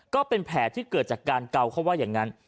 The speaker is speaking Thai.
ก็เป็นแผลที่เกิดจากการเกาเขาว่าอย่างนั้น